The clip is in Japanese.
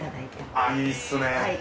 あいいっすね。